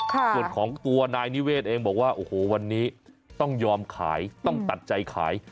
ส่วนของตัวนายนิเวศเองบอกว่าโอ้โหวันนี้ต้องยอมขายต้องตัดใจขาย